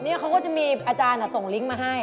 นี่เขาก็จะมีอาจารย์ส่งลิงก์มาให้